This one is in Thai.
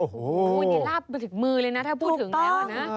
โอ้โหนี่ลาบไปถึงมือเลยนะถ้าพูดถึงแล้วนะ